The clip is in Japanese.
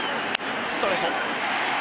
ストレート。